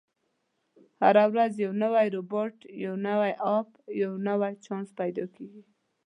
هره ورځ یو نوی روباټ، یو نوی اپ، او یو نوی چانس پیدا کېږي.